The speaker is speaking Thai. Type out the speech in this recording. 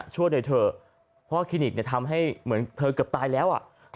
ช่วยหน่อยเถอะเพราะว่าคลินิกทำให้เหมือนเธอเกือบตายแล้ว